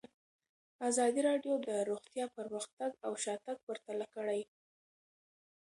ازادي راډیو د روغتیا پرمختګ او شاتګ پرتله کړی.